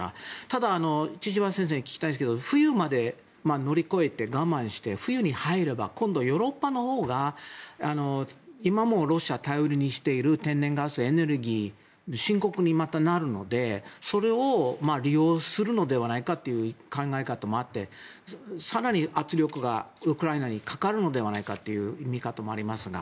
ただ、千々和先生に聞きたいんですけど冬まで乗り越えて冬まで我慢して冬に入れば今度、ヨーロッパのほうが今もロシアを頼りにしている天然ガス、エネルギーが深刻になるのでそれを利用するのではないかという考え方もあって更に、圧力がウクライナにかかるのではないかという見方もありますが。